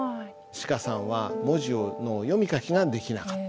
シカさんは文字の読み書きができなかった。